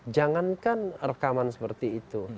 jangankan rekaman seperti itu